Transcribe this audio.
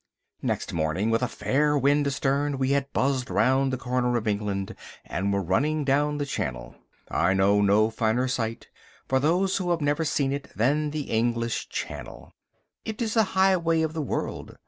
Next morning with a fair wind astern we had buzzed around the corner of England and were running down the Channel. I know no finer sight, for those who have never seen it, than the English Channel. It is the highway of the world.